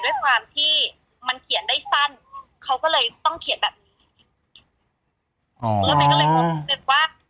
ด้วยความที่มันเขียนได้สั้นเขาก็เลยต้องเขียนแบบนี้อ๋อรถเมย์ก็เลยนึกว่า